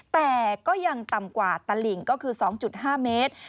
แต่ก็ยังต่ำกว่าตลิ่งก็คือ๒๕เมตร